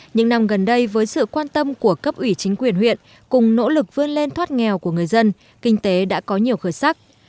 những năm gần đây với sự quan tâm của cấp ủy chính quyền huyện cùng nỗ lực vươn lên thoát nghèo của người dân kinh tế đã có nhiều khởi sắc